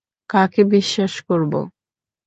কাকে বিশ্বাস করব?